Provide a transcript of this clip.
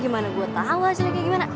gimana gua tau hasilnya kayak gimana